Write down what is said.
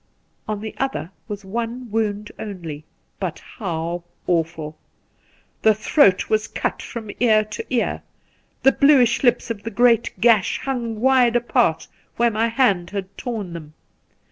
On the other was one wound only ; but how awful ! The throat was cut from ear to ear ; the bluish lips of the great gash hung wide apart where my hand had torn them.